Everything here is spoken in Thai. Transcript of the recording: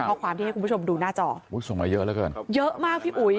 ข้อความที่ให้คุณผู้ชมดูหน้าจอเยอะมากพี่อุ๋ย